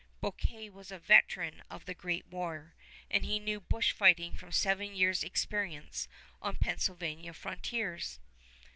Bouquet was a veteran of the great war, and knew bushfighting from seven years' experience on Pennsylvania frontiers.